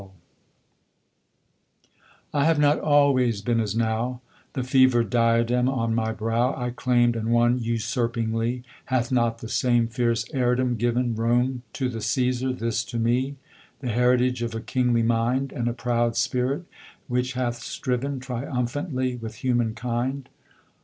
[Illustration: Tamerlane] I have not always been as now: The fever'd diadem on my brow I claim'd and won usurpingly Hath not the same fierce heirdom given Rome to the Cæsar this to me? The heritage of a kingly mind, And a proud spirit which hath striven Triumphantly with human kind.